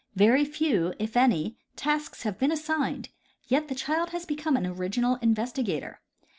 Very few, if any, tasks have been assigned, yet the child has become an original in vestigator.